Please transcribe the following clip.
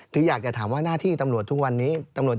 คืออยากจะถามว่าหน้าที่ตำรวจทุกวันนี้ตำรวจ